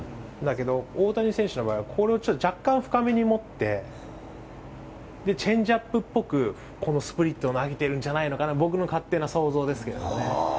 だけど、大谷選手の場合は若干深めに持ってチェンジアップっぽく、スプリットを投げてるんじゃないかな僕の勝手な想像ですけど。